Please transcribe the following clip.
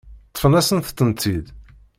Ṭṭfen-asent-tent-id.